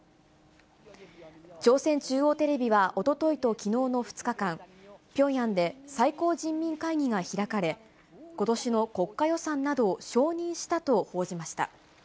朝鮮中央テレビは、おとといときのうの２日間、ピョンヤンで最高人民会議が開かれ、ことしの国家予算などを承認したと報じました。